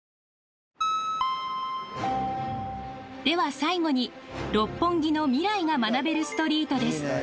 では最後に六本木の未来が学べるストリートです。